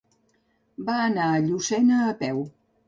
Va anar a Llucena a peu.